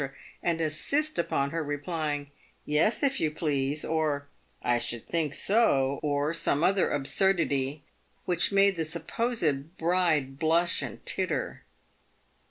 ; and insist upon her replying, "Yes, if you please," or " I should think so," or some other absurdity, which made the supposed bride blush and titter.